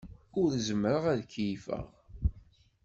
Ur zemmreɣ ad keyyfeɣ.